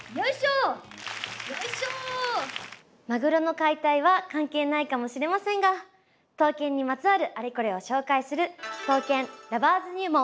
マグロの解体は関係ないかもしれませんが刀剣にまつわるアレコレを紹介する「刀剣Ｌｏｖｅｒｓ入門」。